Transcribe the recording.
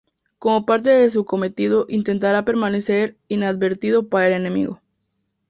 Como parte de su cometido intentará permanecer inadvertido para el enemigo.